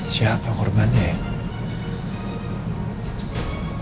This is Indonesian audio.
siapa korbannya ya